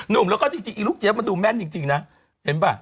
ุ่มแล้วก็จริงอีลูกเจี๊ยมันดูแม่นจริงนะเห็นป่ะ